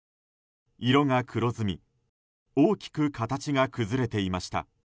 色が黒ずみ大きく形が崩れていました。